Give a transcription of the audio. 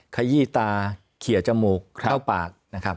ขยี้ตาเขียจมูกเข้าปาก